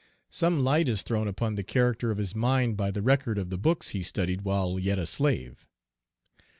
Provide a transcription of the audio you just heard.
Some light is thrown upon the character of his mind by the record of the books he studied while yet a slave.